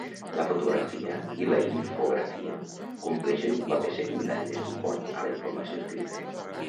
La fotografia i la infografia compleixen un paper secundari de suport a la informació escrita.